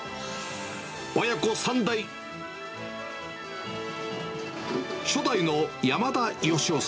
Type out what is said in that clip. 親子３代。